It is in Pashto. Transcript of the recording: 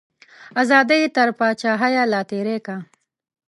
ازادي تر پاچاهیه لا تیری کا.